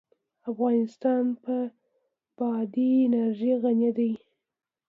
افغانستان په بادي انرژي غني دی.